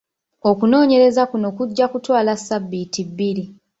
Okunoonyereza kuno kujja kutwala ssabiiti bbiri.